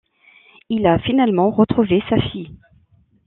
Il a finalement retrouvé sa fille.